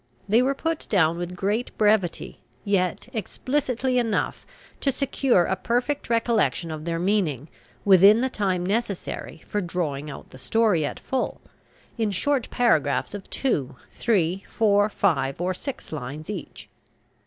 They were put down with great brevity, yet explicitly enough to secure a perfect recollection of their meaning, within the time necessary for drawing out the story at full, in short paragraphs of two, three, four, five, or six lines each.